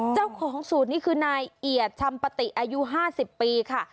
เจ้าของสูตรนี้คือนายเอียดชำปฏิอายุ๕๐ปีค่ะ